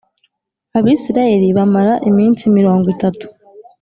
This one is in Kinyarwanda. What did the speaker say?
Abisirayeli bamara iminsi mirongo itatu